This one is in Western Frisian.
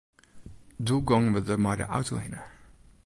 Doe gongen we der mei de auto hinne.